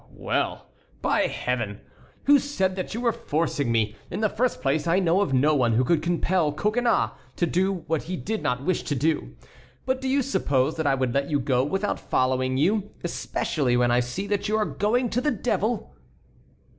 "Well, by Heaven! Who said that you were forcing me? In the first place, I know of no one who could compel Coconnas, to do what he did not wish to do; but do you suppose that I would let you go without following you, especially when I see that you are going to the devil?"